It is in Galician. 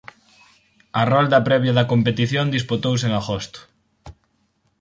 A rolda previa da competición disputouse en agosto.